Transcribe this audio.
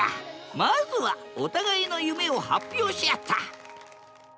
まずはお互いの夢を発表し合った！